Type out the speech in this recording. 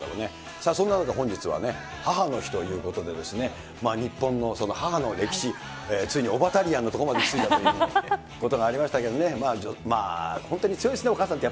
さあ、そんな中、本日は母の日ということでですね、日本の母の歴史、ついにオバタリアンのところまで行きついたということがありましたけれども、本当に強いですね、お母さんって、